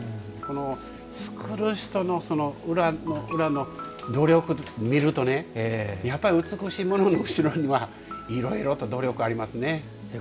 作る人の裏の裏の努力見ると美しいものの後ろにはいろいろと努力ありますね。